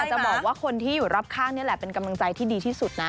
จะบอกว่าคนที่อยู่รอบข้างนี่แหละเป็นกำลังใจที่ดีที่สุดนะ